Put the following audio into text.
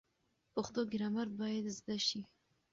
پښتو ګرامر باید زده شي.